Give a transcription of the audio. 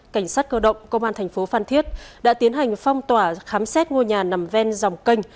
cảnh sát cơ động công an thành phố phan thiết đã tiến hành phong tỏa khám xét ngôi nhà nằm ven dòng canh